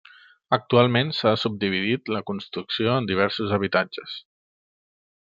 Actualment s'ha subdividit la construcció en diversos habitatges.